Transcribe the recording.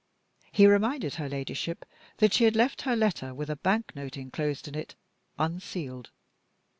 He reminded her Ladyship that she had left her letter, with a bank note inclosed in it, unsealed.